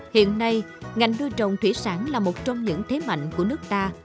hiện nay ngành nuôi trồng thủy sản là một trong những thế mạnh của nước ta